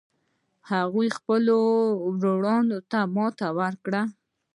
هغه خپلو وروڼو ته ماتې ورکړه.